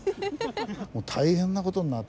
大変な事になった。